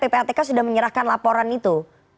ppatk sudah menyerahkan laporan itu